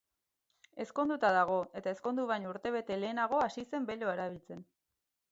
Ezkonduta dago, eta ezkondu baino urtebete lehenago hasi zen beloa erabiltzen.